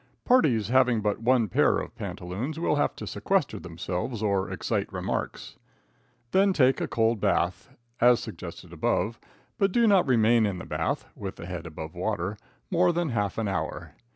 Parties having but one pair of pantaloons will have to sequester themselves or excite remarks. Then take a cold bath, as suggested above, but do not remain in the bath (with the head above water) more than half an hour.